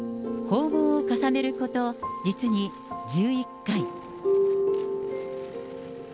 訪問を重ねること、実に１１回。